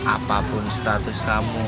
apapun status kamu